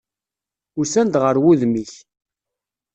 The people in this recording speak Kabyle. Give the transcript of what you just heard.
Usan-d ɣer wudem-ik.